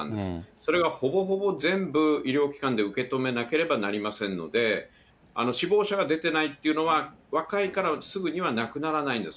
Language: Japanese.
それがほぼほぼ全部、医療機関で受け止めなければなりませんので、死亡者が出てないっていうのは、若いからすぐには亡くならないんです。